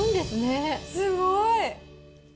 すごい！